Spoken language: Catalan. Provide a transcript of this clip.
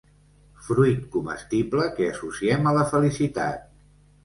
Fruit comestible que associem a la felicitat.